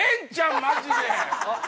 マジで！